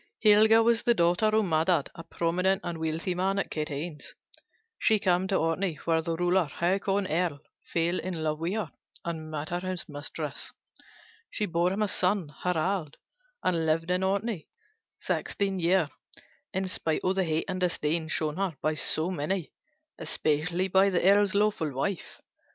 Helga was the daughter of Maddad, a prominent and wealthy man at Katanes. She came to Orkney, where the ruler, Haakon Earl, fell in love with her and made her his mistress. She bore him a son, Harald, and lived at Orkney sixteen years in spite of the hate and disdain showed her by so many, especially by the Earl's lawful wife.